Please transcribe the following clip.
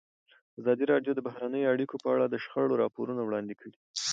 ازادي راډیو د بهرنۍ اړیکې په اړه د شخړو راپورونه وړاندې کړي.